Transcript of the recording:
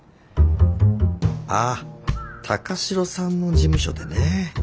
ああ高城さんの事務所でね。